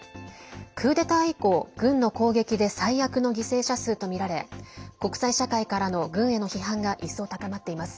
クーデター以降、軍の攻撃で最悪の犠牲者数とみられ国際社会からの軍への批判が一層高まっています。